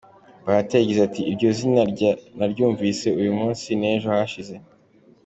Bahati yagize ati : ”Iryo zina naryumvise uyu munsi n’ejo hashize.